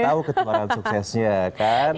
siapa tau ketemuan suksesnya kan